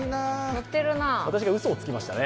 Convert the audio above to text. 私がうそをつきましたね。